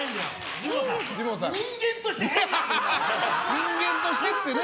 人間としてってね。